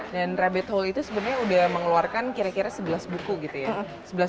dan rabbit hole itu sebenarnya udah mengeluarkan kira kira sebelas buku gitu ya